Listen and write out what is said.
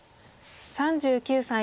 ３９歳。